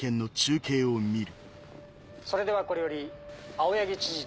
それではこれより青柳知事と。